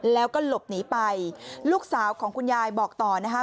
แล้วก็หลบหนีไปลูกสาวของคุณยายบอกต่อนะคะ